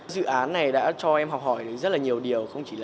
dự án này đã cho em học hỏi rất là nhiều điều